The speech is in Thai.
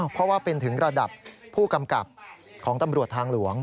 เพราะว่าเป็นถึงระดับผู้กำกับของตำรวจทางหลวง